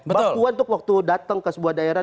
mbak puan tuh waktu datang ke sebuah daerah